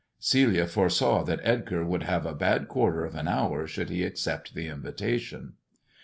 Celia foresaw that Edgar would have a bad quarter of an hour should he accept the invitation.